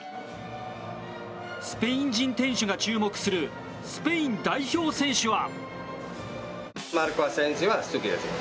スペイン人店主が注目するスペイン代表選手は？